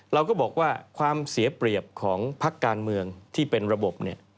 เราก็บอกว่าความเสียเปรียบของพักการเมืองที่เป็นระบบเนี่ย